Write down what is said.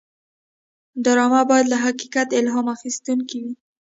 ډرامه باید له حقیقت الهام اخیستې وي